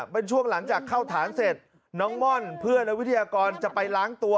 เป็นช่วงหลังจากเข้าฐานเสร็จน้องม่อนเพื่อนและวิทยากรจะไปล้างตัว